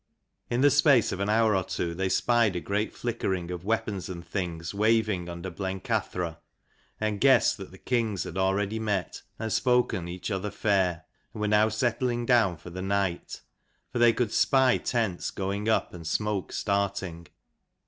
In the space of an hour or two they spied a great flickering of weapons and things waving under Blencathra, and guessed that the kings had already met, and spoken each other fair, and were now settling down for the night : for they could spy tents going up and smoke starting.